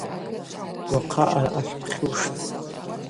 Уахъа араъа хӏпхьуштӏ.